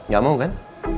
gak mau kan